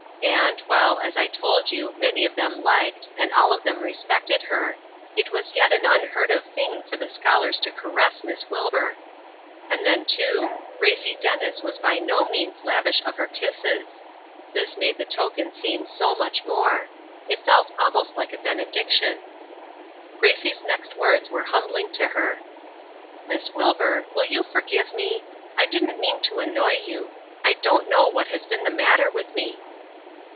And, while, as I told you, many of them liked, and all of them respected her, it was yet an unheard of thing for the scholars to caress Miss Wilbur. And then, too, Gracie Dennis was by no means lavish of her kisses. This made the token seem so much more. It felt almost like a benediction. Gracie's next words were humbling to her: "Miss Wilbur, will you forgive me? I didn't mean to annoy you. I don't know what has been the matter with me."